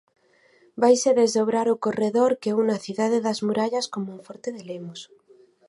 Vaise desdobrar o corredor que une a Cidade das Murallas con Monforte de Lemos.